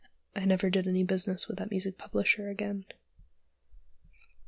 I never did any business with that music publisher again.